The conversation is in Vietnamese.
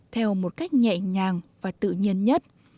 theo một cách nhẹ nhàng và tự nhiên nhất